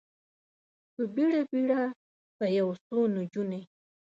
په بیړه، بیړه به یو څو نجونې،